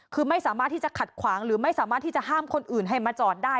คือไม่สามารถที่จะขัดขวางหรือไม่สามารถที่จะห้ามคนอื่นให้มาจอดได้